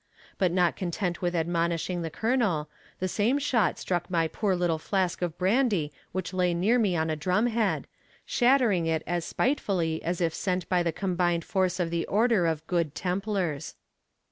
But not content with admonishing the Colonel, the same shot struck my poor little flask of brandy which lay near me on a drum head, shattering it as spitefully as if sent by the combined force of the Order of "Good Templars."